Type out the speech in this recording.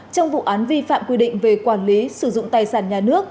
trong vụ án vi phạm quy định về quản lý sử dụng tài sản nhà nước